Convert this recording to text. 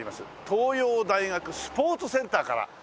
東洋大学スポーツセンターから。